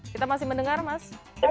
kita masih mendengar mas